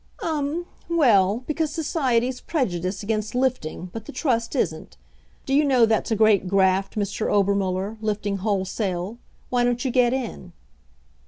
"Um! well, because society's prejudiced against lifting, but the Trust isn't. Do you know that's a great graft, Mr. Obermuller lifting wholesale? Why don't you get in?"